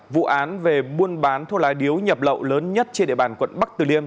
vụ án về buôn bán thuốc lá điếu nhập lậu lớn nhất trên địa bàn quận bắc từ liêm